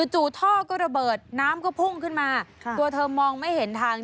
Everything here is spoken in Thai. จู่ท่อก็ระเบิดน้ำก็พุ่งขึ้นมาตัวเธอมองไม่เห็นทาง